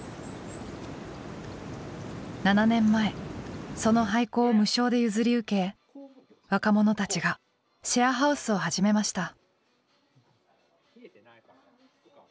７年前その廃校を無償で譲り受け若者たちがシェアハウスを始めました。